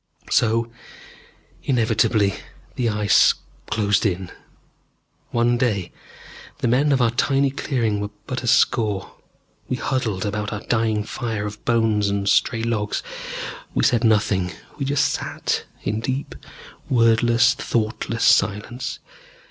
So inevitably the Ice closed in.... One day the men of our tiny clearing were but a score. We huddled about our dying fire of bones and stray logs. We said nothing. We just sat, in deep, wordless, thoughtless silence.